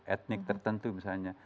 etnik tertentu misalnya